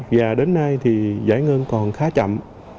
và đến nay thì giải ngân còn khá chậm